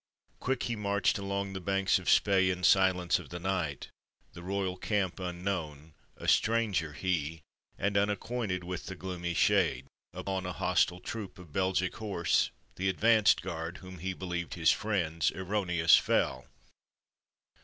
Quick he marched along The banks of Spey in silence of the night. The royal camp unknown, a stranger he, And unacquainted with the gloomy shade, Upon a hostile troop of Belgic horse— The advanced guard, whom he believed his friends — Erroneous fell.